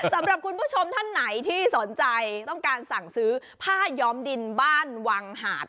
สำหรับคุณผู้ชมท่านไหนที่สนใจต้องการสั่งซื้อผ้าย้อมดินบ้านวังหาด